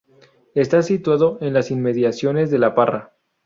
Está situado en las inmediaciones de La Parra.